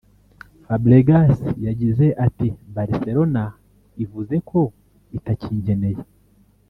Fabregas yagize ati “Barcelona ivuze ko itakinkeneye